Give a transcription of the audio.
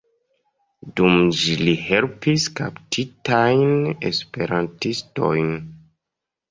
Dum ĝi li helpis kaptitajn esperantistojn.